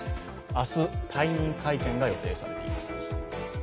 明日、退任会見が予定されています